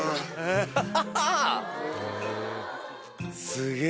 すげえ。